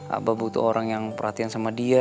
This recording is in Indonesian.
apa butuh orang yang perhatian sama dia